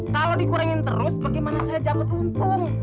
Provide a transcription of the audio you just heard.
kalau dikurangin terus bagaimana saya dapat untung